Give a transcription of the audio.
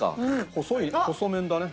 細い細麺だね。